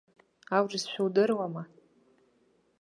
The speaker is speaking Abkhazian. Аурысшәа удыруама?